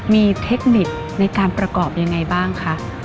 มีเทคนิคในการประกอบยังไงบ้างคะ